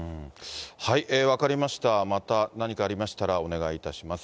分かりました、また何かありましたらお願いいたします。